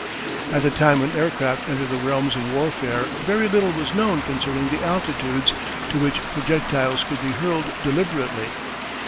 At the time when aircraft entered the realms of warfare very little was known concerning the altitudes to which projectiles could be hurled deliberately.